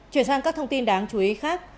chuyển sang các thông tin đáng chú ý khác